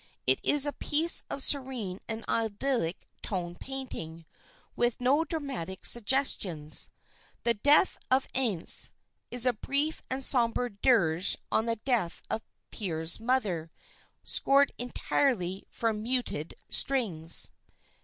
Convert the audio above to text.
It is a piece of serene and idyllic tone painting, with no dramatic suggestions. "The Death of Aase" is a brief and sombre dirge on the death of Peer's mother, scored entirely for muted strings.